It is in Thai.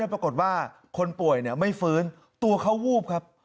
ปรากฏว่าคนป่วยไม่ฟื้นตัวเขาวูบครับ